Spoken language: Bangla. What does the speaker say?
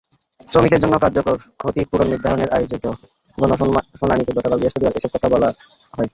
শ্রমিকের জন্য কার্যকর ক্ষতিপূরণ নির্ধারণে আয়োজিত গণশুনানিতে গতকাল বৃহস্পতিবার এসব কথা বলা হয়।